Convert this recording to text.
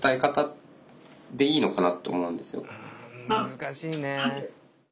難しいね。